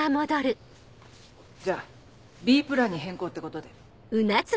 じゃあＢプランに変更ってことで。